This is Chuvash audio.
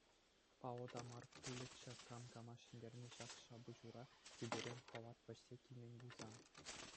Паллӑ та мар пулӗччӗ кам кама ҫӗнтерни ҫак ҫапӑҫура тӳперен Хӑлат вӗҫсе килмен пулсан.